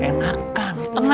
enakkan tenang aja